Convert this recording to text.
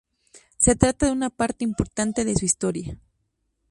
Se trata de una parte importante de su historia.